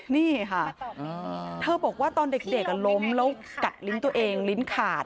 นี่ค่ะเธอบอกว่าตอนเด็กล้มแล้วกัดลิ้นตัวเองลิ้นขาด